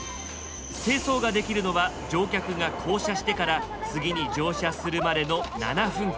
清掃ができるのは乗客が降車してから次に乗車するまでの７分間。